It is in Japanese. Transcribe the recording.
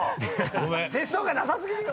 節操がなさ過ぎるよ！